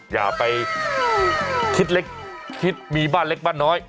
อย่าไปคิดเล็กคิดมีบ้านเล็กบ้านน้อย